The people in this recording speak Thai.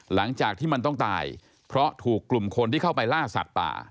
หลังจากที่มันต้องตายเพราะถูกกลุ่มคนที่เข้าไปล่าสัตว์ป่า